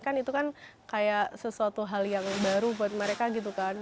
kan itu kan kayak sesuatu hal yang baru buat mereka gitu kan